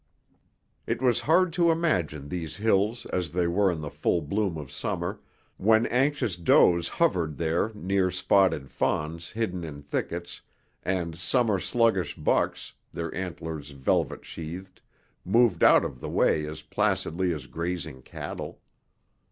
It was hard to imagine these hills as they were in the full bloom of summer, when anxious does hovered there near spotted fawns hidden in thickets and summer sluggish bucks, their antlers velvet sheathed, moved out of the way as placidly as grazing cattle.